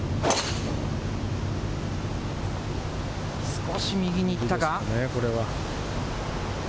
少し右に行ったか？